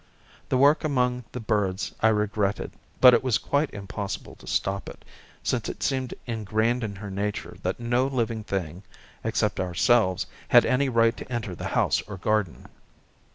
The work among the birds I regretted, but it was quite impossible to stop it, since it seemed engrained in her nature that no living thing except ourselves had any right to enter the house or garden.